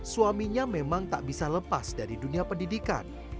suaminya memang tak bisa lepas dari dunia pendidikan